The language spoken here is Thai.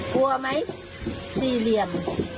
กลัวไหมสี่เหลี่ยม